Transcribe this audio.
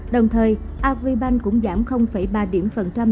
đồng thời aribank cũng giảm ba điểm phần trăm